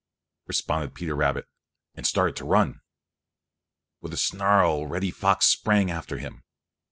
responded Peter Rabbit, and started to run. With a snarl Reddy Fox sprang after him.